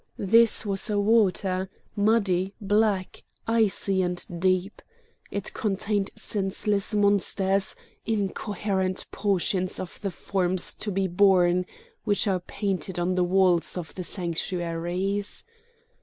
This was a water, muddy, black, icy and deep. It contained senseless monsters, incoherent portions of the forms to be born, which are painted on the walls of the sanctuaries.